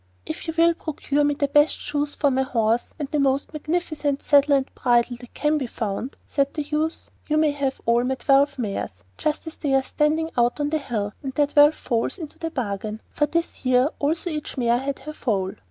'If you will procure me the best shoes for my horse, and the most magnificent saddle and bridle that can be found,' said the youth, 'you may have all my twelve mares just as they are standing out on the hill, and their twelve foals into the bargain.' For this year also each mare had her foal.